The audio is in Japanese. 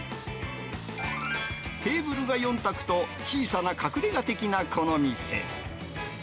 テーブルが４卓と小さな隠れが的なこの店。